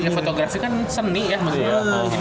fotografi kan seni ya maksudnya